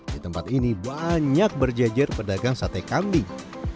di tempat ini banyak berjejer pedagang sate kambing